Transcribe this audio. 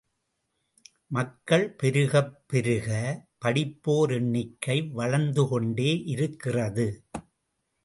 மக்கள் பெருகப் பெருக, படிப்போர் எண்ணிக்கை வளர்ந்துகொண்டே இருக்கிறது.